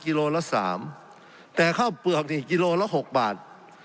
กิโลละ๓แต่ข้าวเปลือกนี่กิโลละ๖บาท